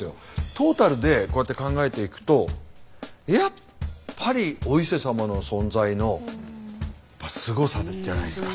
トータルでこうやって考えていくとやっぱりお伊勢様の存在のすごさじゃないですか。